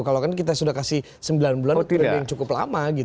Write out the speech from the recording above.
kalau kan kita sudah kasih sembilan bulan itu berarti cukup lama gitu